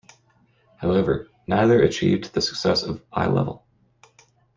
However, neither achieved the success of "Eye Level".